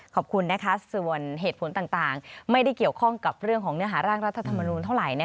ขอบคุณนะคะส่วนเหตุผลต่างไม่ได้เกี่ยวข้องกับเรื่องของเนื้อหาร่างรัฐธรรมนูลเท่าไหร่